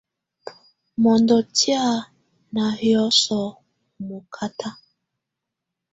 Mɔndɔ tɛ̀á ná hiɔsɔ u mɔkata.